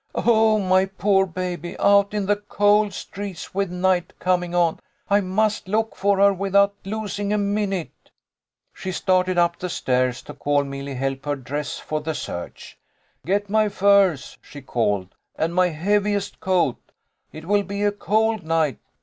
Oh, my poor baby, out in the cold streets with 194 THE LITTLE COLONEL'S HOLIDAYS. night coming on. I must look for her without los ing a minute." She started up the stairs to call Milly help her dress for the search. "Get my furs," she called, "and my heaviest coat. It will be a cold night."